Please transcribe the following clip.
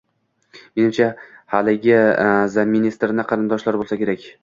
Menimcha haligi "zamministr"ni qarindoshlari bo‘lsa kerak